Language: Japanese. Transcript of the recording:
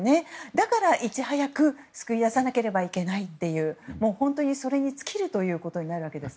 だから、いち早く救い出さなければいけないという本当にそれに尽きるとなるわけです。